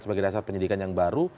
sebagai dasar penyidikan yang baru